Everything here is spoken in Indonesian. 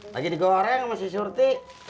lagi digoreng sama si surti